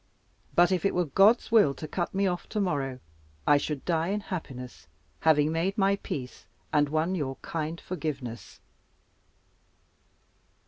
But if it were God's will to cut me off to morrow, I should die in happiness, having made my peace, and won your kind forgiveness."